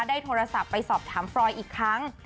ได้โทรศัพท์ไปสอบถามฟรอยอีกครั้ง